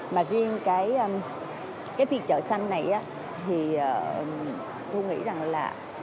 mà riêng cái phiên chợ xanh này thì tôi nghĩ rằng là